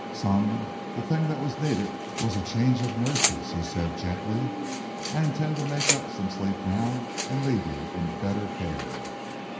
"Son, the thing that was needed was a change of nurses," he said gently. "I intend to make up some sleep now and leave you in better care."